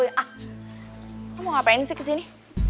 kamu ngapain sih kesini